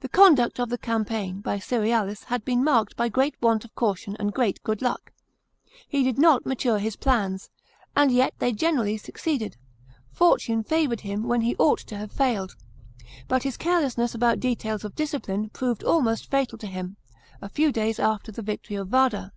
The conduct of the campaign by Cerealis had been marked by great want of caution and great good luck. He did not mature his plans, and yet they generally succeeded ; fortune favoured him when he ought to have failed. But his carelessness about details of discipline proved almost fatal to him a few days after the victory of Vada.